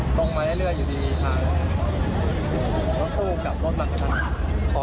ก็ต้องมาได้เลือกอยู่ดีครับ